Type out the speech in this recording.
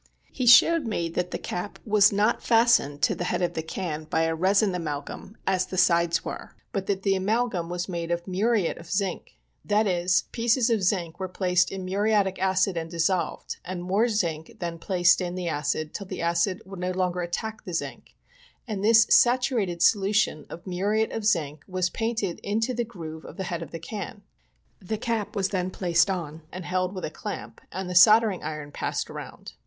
He showed me that the cap was not fastened to the head of the can by a resin amalgum, as the sides wer^, but that the amalgum was made of muriate of zinc— that is, pieces of zinc were placed in muriatic acid and dissolved, and more zinc then placed in the acid till the acid would no longer attack the zinc, and this saturated solution of muriate of zinc was painted into the groove of the head of the can. The cap was then placed on and held with a clamp, and the soldering iron passed around.